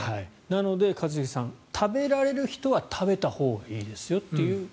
なので一茂さん食べられる人は食べたほうがいいと。